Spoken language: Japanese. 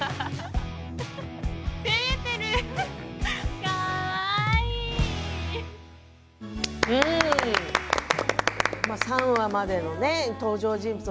第３話までの登場人物